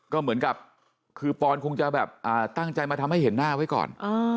ก็เหมือนกับคือปอนคงจะแบบตั้งใจมาทำให้เห็นหน้าไว้ก่อน